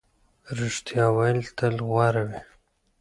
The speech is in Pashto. رښتیا ویل تل غوره وي.